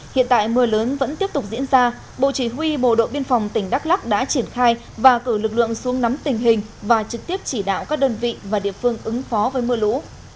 hiện tại mưa lớn vẫn tiếp tục diễn ra bộ chỉ huy bộ đội biên phòng tỉnh đắk lắc đã triển khai và cử lực lượng xuống nắm tình hình và trực tiếp chỉ đạo các đơn vị và địa phương ứng phó với mưa lũ